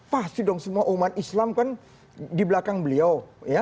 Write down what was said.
pasti dong semua umat islam kan di belakang beliau